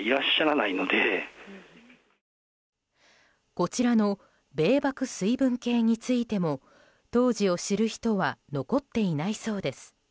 こちらの米麦水分計についても当時を知る人は残っていないそうです。